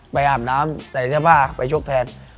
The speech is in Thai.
อาบน้ำใส่เสื้อผ้าไปชกแทน